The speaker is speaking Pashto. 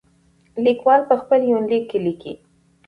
ليکوال په خپل يونليک کې ليکي.